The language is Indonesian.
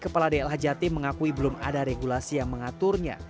kepala dlhjt mengakui belum ada regulasi yang mengaturnya